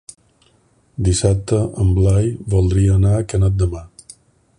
Dissabte en Blai voldria anar a Canet de Mar.